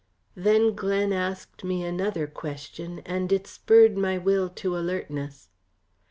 Then Glen asked me another question, and it spurred my will to alertness.